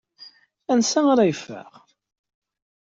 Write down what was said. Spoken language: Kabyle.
Ansa ara yeffeɣ?